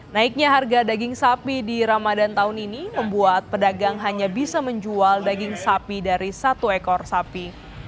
naiknya harga daging sapi di ramadan tahun ini membuat pedagang hanya bisa menjual daging sapi dari satu ekor sapi